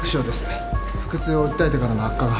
腹痛を訴えてからの悪化が早い